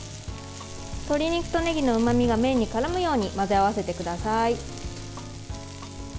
鶏肉とねぎのうまみが麺にからむように混ぜ合わせてください。